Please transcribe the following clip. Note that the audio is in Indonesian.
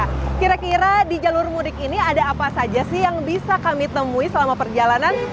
nah kira kira di jalur mudik ini ada apa saja sih yang bisa kami temui selama perjalanan